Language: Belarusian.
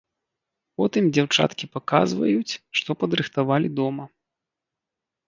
Потым дзяўчаткі паказваюць, што падрыхтавалі дома.